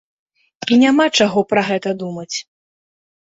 І няма чаго пра гэта думаць.